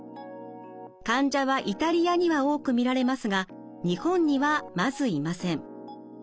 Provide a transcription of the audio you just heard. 患者はイタリアには多く見られますが日本にはまずいません。